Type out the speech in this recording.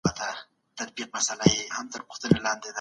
ستاسو په ذهن کي به د راتلونکي لپاره هیله وي.